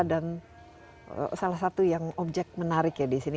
dan salah satu yang objek menarik ya disini